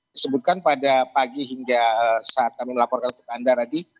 disebutkan pada pagi hingga saat kami melaporkan untuk anda tadi